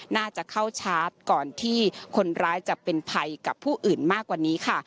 น่าจะเข้าชาร์จก่อนที่คนร้ายจะเป็นภัยกับผู้อื่นมากกว่านี้ค่ะ